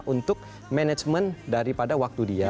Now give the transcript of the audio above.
untuk manajemen daripada waktu dia